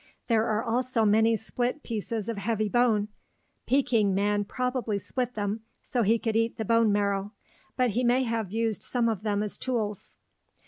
There are also many split pieces of heavy bone. Peking man probably split them so he could eat the bone marrow, but he may have used some of them as tools.